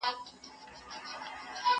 د مطلق حقیقت په توګه ومني.